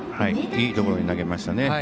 いいところに投げましたね。